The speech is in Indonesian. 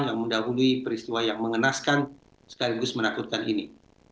yang mendahului peristiwa yang mengenaskan sekaligus menakutkan ini